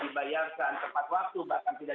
dibayarkan tepat waktu bahkan tidak